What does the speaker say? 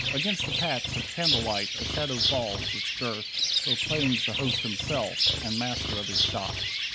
Against the patch Of candle light a shadow falls, its girth Proclaims the host himself, and master of his shop.